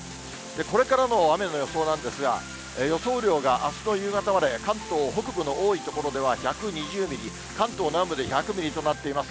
これからの雨の予想なんですが、予想雨量があすの夕方まで、関東北部の多い所では１２０ミリ、関東南部で１００ミリとなっています。